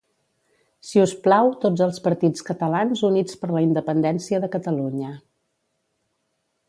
Si us plau tots els partits catalans units per la independència de Catalunya